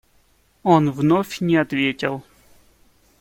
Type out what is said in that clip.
Он вновь не ответил.